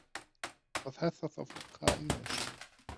Was heißt das auf Ukrainisch?